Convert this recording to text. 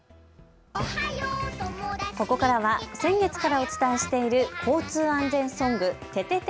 ここからは先月からお伝えしている交通安全ソング、ててて！